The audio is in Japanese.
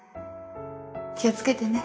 気を付けてね